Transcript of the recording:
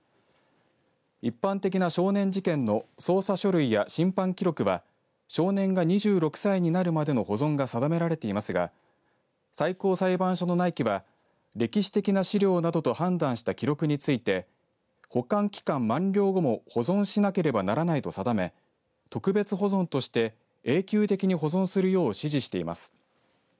一般的な少年事件の捜査書類や審判記録は少年が２６歳になるまでの保存が定められていますが最高裁判所の内規は歴史的な資料などと判断した記録について保管期間満了後も保存しなければならないと定め特別保存として永久的に保存するよう指示しています。